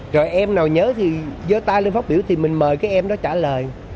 rồi em nào nhớ thì do ta lên phát biểu thì mình mời cái em đó trả lời